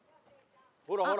ほらほら。